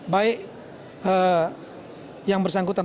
baik yang bersangkutan